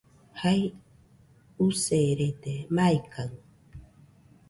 Jai userede, maikaɨ